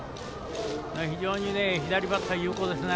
非常に左バッター有効ですね。